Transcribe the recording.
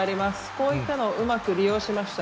こういったのをうまく利用しました。